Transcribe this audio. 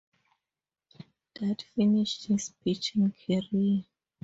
That finished his pitching career.